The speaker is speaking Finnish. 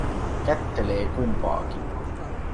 Kättelee kumpaakin.